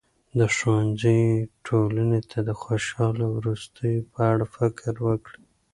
د ښوونځي ټولنې ته د خوشاله وروستیو په اړه فکر وکړي.